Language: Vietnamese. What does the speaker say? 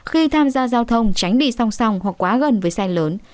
khi tham gia giao thông tránh bị song song hoặc quá gần với xe lớn